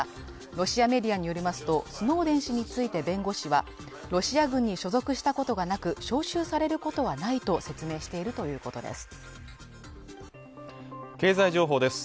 ロシアメディアによりますとスノーデン氏について弁護士はロシア軍に所属したことがなく招集されることはないと説明しているということです